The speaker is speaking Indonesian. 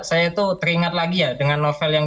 saya tuh teringat lagi ya dengan novel yang